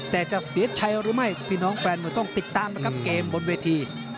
แต่จะเสียใจหรือไม่พี่น้องแฟนมวยต้องติดตามนะครับเกมบนเวที